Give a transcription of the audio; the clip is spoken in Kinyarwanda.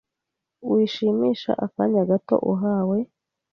wishimisha akanya gato uhawe